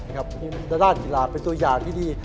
ทางด้านกีฬาเป็นตัวอย่างที่ดี